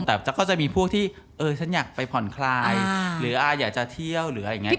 แต่ก็จะมีพวกที่ฉันอยากไปผ่อนคลายหรืออยากจะเที่ยวหรืออะไรอย่างนี้